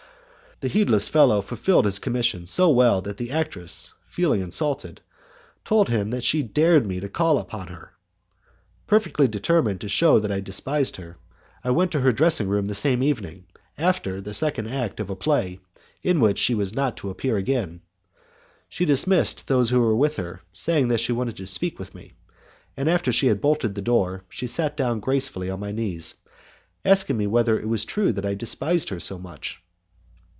The heedless fellow fulfilled his commission so well that the actress, feeling insulted, told him that she dared me to call on her. Perfectly determined to shew that I despised her, I went to her dressing room the same evening, after the second act of a play in which she had not to appear again. She dismissed those who were with her, saying that she wanted to speak with me, and, after she had bolted the door, she sat down gracefully on my knees, asking me whether it was true that I despised her so much.